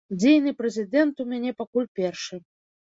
Дзейны прэзідэнт у мяне пакуль першы.